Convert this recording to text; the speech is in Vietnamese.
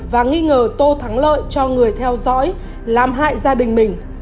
và nghi ngờ tô thắng lợi cho người theo dõi làm hại gia đình mình